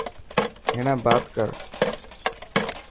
هيڻا بات ڪر.